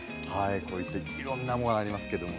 いろんなものがあります。